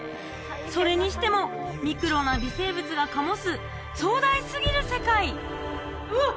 それにしてもミクロな微生物が醸す壮大すぎる世界うわっ！